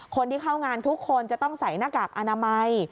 คนที่เข้างานทุกคนจะต้องใส่หน้ากากอนามัย